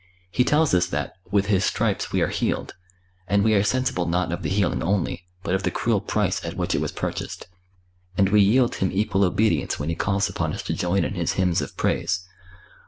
He tells us that 'With His stripes we are healed,' and we are sensible not of the healing only, but of the cruel price at which it was purchased. And we yield him equal obedience when he calls upon us to join in his hymns of praise.